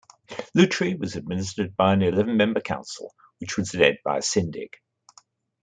Lutry was administered by an eleven-member council which was led by a Syndic.